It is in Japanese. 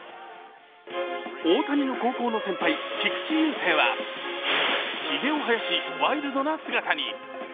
大谷の高校の先輩、菊池雄星はひげを生やしワイルドな姿に。